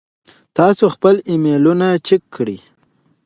تاسو خپل ایمیلونه چیک کړئ.